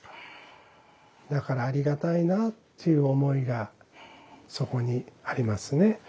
だからありがたいなという思いがそこにありますね。